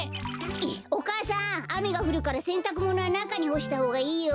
お母さんあめがふるからせんたくものはなかにほしたほうがいいよ。